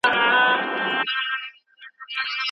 څېړونکی باید هر مهال په کوم ګټور کار اخته وي.